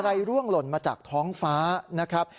ร่วงหล่นมาจากท้องฟ้านะครับ